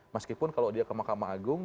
meskipun kalau dia ke mahkamah agung